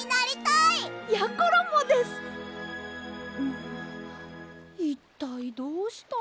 んいったいどうしたら。